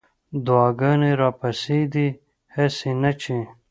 دعاګانې راپسې دي هسې نه چې